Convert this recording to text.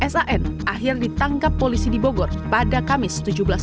san akhir ditangkap polisi di bogor pada kamis tujuh belas